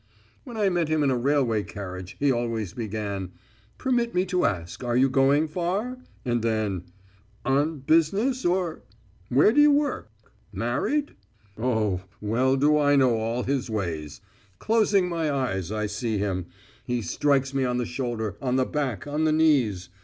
When I met him in a railway carriage he always began: "Permit me to ask, are you going far?" And then: "On business or ...?" "Where do you work?" "Married?" Oh, well do I know all his ways. Closing my eyes I see him. He strikes me on the shoulder, on the back, on the knees.